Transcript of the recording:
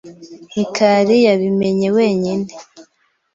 Mikali yabimenye wenyine.